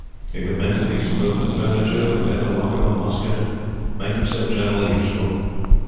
He could mend a piece of broken furniture, repair the lock of a musket, and make himself generally useful.